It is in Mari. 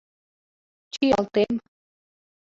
Чиялтем.